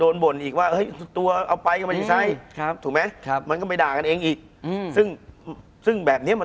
คุณผู้ชมบางท่าอาจจะไม่เข้าใจที่พิเตียร์สาร